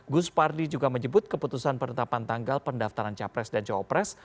gus pardi juga menyebut keputusan penetapan tanggal pendaftaran capres dan cawapres